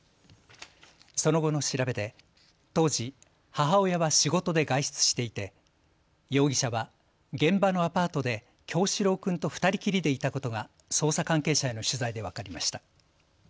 その後の調べで当時母親は仕事で外出していて容疑者は現場のアパートで叶志郎君と２人きりでいたことが捜査関係者への取材で分かりました。